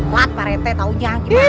puat parete tau nyang gimana sih